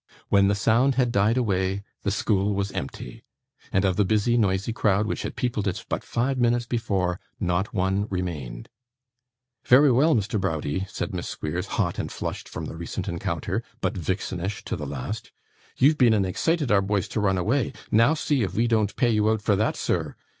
When the sound had died away, the school was empty; and of the busy noisy crowd which had peopled it but five minutes before, not one remained. 'Very well, Mr. Browdie!' said Miss Squeers, hot and flushed from the recent encounter, but vixenish to the last; 'you've been and excited our boys to run away. Now see if we don't pay you out for that, sir!